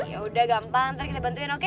yaudah gampang nanti kita bantuin oke